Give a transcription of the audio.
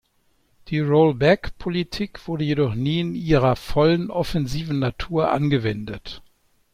Die Rollback-Politik wurde jedoch nie in ihrer vollen offensiven Natur angewendet.